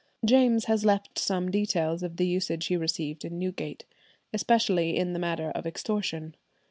James has left some details of the usage he received in Newgate, especially in the matter of extortion.